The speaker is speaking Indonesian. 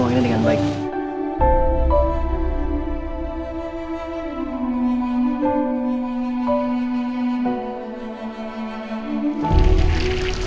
dan memanfaatkan uang ini dengan baik